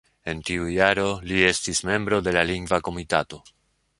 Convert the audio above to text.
En tiu jaro li estis membro de la Lingva Komitato.